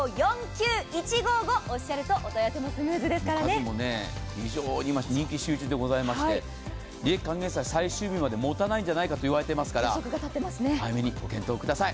数も非常に人気集中でございまして、利益還元祭最終日までもたないんじゃないかと言われてますから早めにご検討ください。